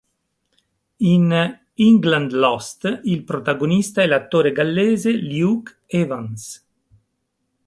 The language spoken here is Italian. In "England Lost" il protagonista è l'attore gallese Luke Evans.